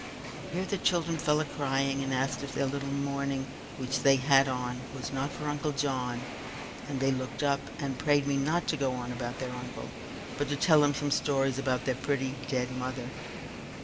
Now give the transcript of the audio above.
Here the children fell a crying, and asked if their little mourning which they had on was not for uncle John, and they looked up, and prayed me not to go on about their uncle, but to tell them some stories about their pretty dead mother.